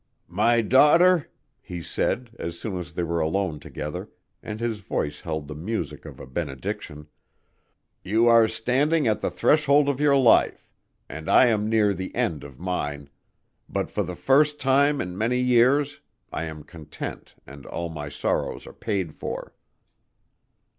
"My daughter," he said, as soon as they were alone together, and his voice held the music of a benediction, "you are standing at the threshold of your life and I am near the end of mine, but for the first time in many years, I am content and all my sorrows are paid for."